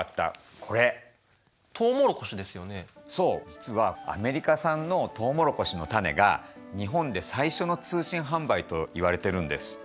実はアメリカ産のトウモロコシの種が日本で最初の通信販売といわれてるんです。